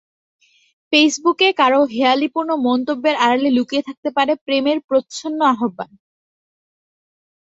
ফেসবুকে কারও হেঁয়ালিপূর্ণ মন্তব্যের আড়ালে লুকিয়ে থাকতে পারে প্রেমের প্রচ্ছন্ন আহ্বান।